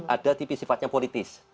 ada tipis sifatnya politis